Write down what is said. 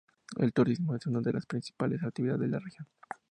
El turismo es una de las principales actividades de la región.